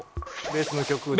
ベースの曲を。